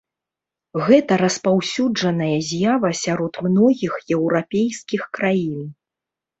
Гэта распаўсюджаная з'ява сярод многіх еўрапейскіх краін.